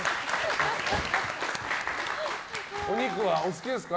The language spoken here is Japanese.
お肉はお好きですか？